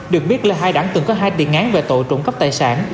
được biết lê hải đẳng từng có hai tiền ngán về tội trộn cấp tài sản